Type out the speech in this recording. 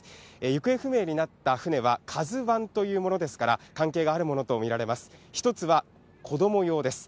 行方不明になった船はカズワンというものですから、関係があるものと見られます。